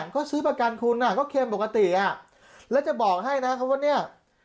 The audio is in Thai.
ก็ซื้อประกันคุณก็เคนปกติอ่ะแล้วจะบอกให้นะครับว่าเนี่ย